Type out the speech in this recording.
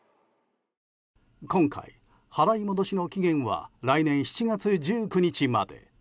今回、払い戻しの期限は来年７月１９日まで。